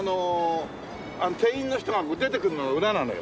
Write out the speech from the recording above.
店員の人が出てくるのが裏なのよ。